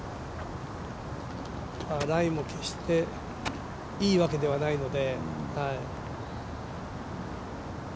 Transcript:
ライも決していいわけではないので。